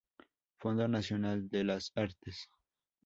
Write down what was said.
Fondo Nacional de las Artes.